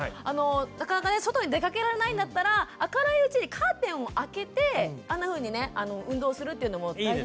なかなかね外に出かけられないんだったら明るいうちにカーテンを開けてあんなふうにね運動するっていうのも大事ですね。